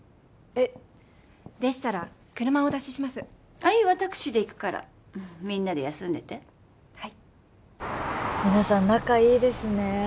えっ？でしたら車をお出ししますあっいいわタクシーで行くからみんなで休んでてはい皆さん仲いいですね